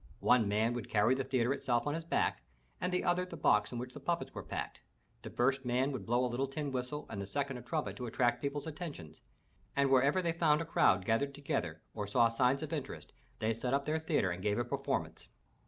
One man would carry the theatre itself on his back, and the other the box in which the puppets were packed. The first man would blow a little tin whistle and the second a trumpet to attract people's attention, and wherever they found a crowd gathered together or saw signs of interest, they set up their theatre and gave a performance.